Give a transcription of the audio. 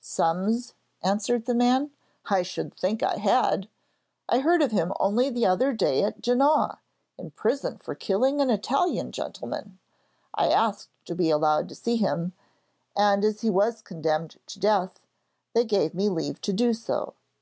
'Summs?' answered the man. 'I should think I had. I heard of him only the other day at Genoa, in prison for killing an Italian gentleman. I asked to be allowed to see him, and as he was condemned to death, they gave me leave to do so.